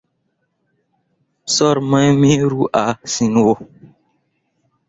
Soor mai me ru a ciŋwo.